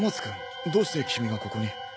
君どうして君がここに？